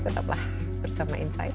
tetaplah bersama insight